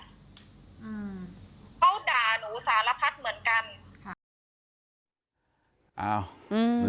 ก็ด่าหนูสารพัสเหมือนกัน